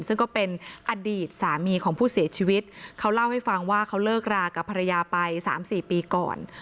ซึ่งก็เป็นอดีตสามีของผู้เสียชีวิตเขาเล่าให้ฟังว่าเขาเลิกรากับภรรยาไปสามสี่ปีก่อน